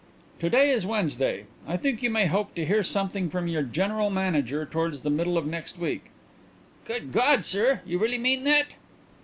"To day is Wednesday. I think you may hope to hear something from your general manager towards the middle of next week." "Good God, sir! You really mean that?"